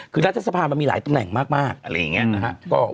คือรัฐสภามันมีหลายตำแหน่งมากอะไรอย่างนี้นะฮะ